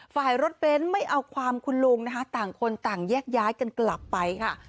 ฝ่ายรถเบ้นไม่เอาความคุณลุงนะคะต่างคนต่างแยกย้ายกันกลับไปค่ะ